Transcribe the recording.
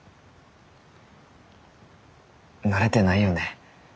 慣れてないよね。